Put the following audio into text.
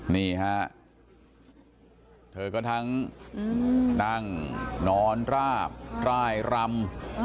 นี่ฮะเธอก็ทั้งนั่งนอนราบร่ายรำ